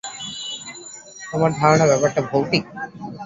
তোমার ধারণা, ব্যাপারটা ভৌতিক?